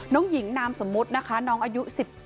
น้องหญิงนามสมมุตินะคะน้องอายุ๑๗